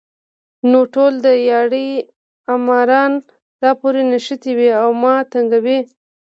نو ټول دیاړي ماران راپورې نښتي وي ـ او ما تنګوي